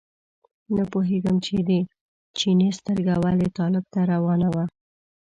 نه پوهېږم چې د چیني سترګه ولې طالب ته ورانه وه.